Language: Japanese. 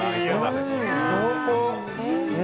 濃厚！